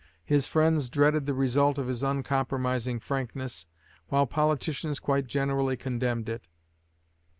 His friends dreaded the result of his uncompromising frankness, while politicians quite generally condemned it.